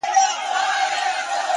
هوښیاري د بې ځایه خبرو مخه نیسي،